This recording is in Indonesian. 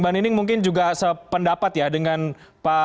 mbak nining mungkin juga sependapat ya dengan pak